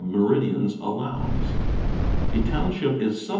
(^^ meridians allows. A township is sub